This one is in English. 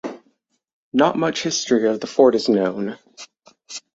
Not much history of the fort is known.